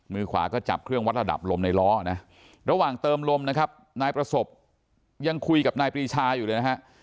มือขวาก็จับเครื่องวัดระดับลมในล้อนะระหว่างเติมลมนะครับนายประสบยังคุยกับนายปรีชาอยู่เลยนะฮะ